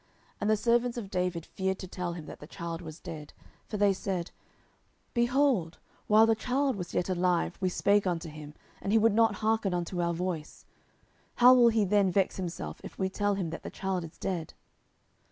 And the servants of David feared to tell him that the child was dead: for they said, Behold, while the child was yet alive, we spake unto him, and he would not hearken unto our voice: how will he then vex himself, if we tell him that the child is dead?